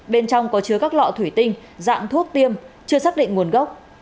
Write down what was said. bên trong có chứa các lọ thủy tinh dạng thuốc tiêm chưa xác định nguồn gốc